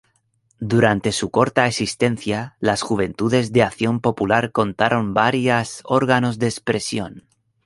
Durante su corta existencia las Juventudes de Acción Popular contaron varias órganos de expresión.